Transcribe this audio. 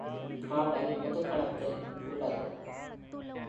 பாடல் பொது களத்தில் உள்ளது.